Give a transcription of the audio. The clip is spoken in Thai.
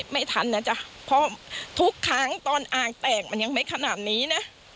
ไม่ทันนะจ๊ะเพราะทุกครั้งตอนอ่างแตกมันยังไม่ขนาดนี้นะ